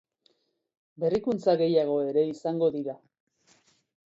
Berrikuntza gehiago ere izango dira.